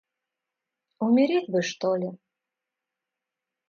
Умереть бы что-ли?!